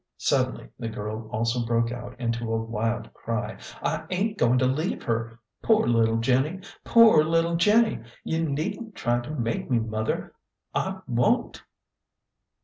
Suddenly the girl also broke out into a wild cry. " I ain't going to leave her. Poor little Jenny ! poor little Jenny ! You needn't try to make me, mother ; I won't